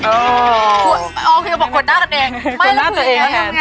โอ้โหโอเคบอกขวนหน้ากันเอง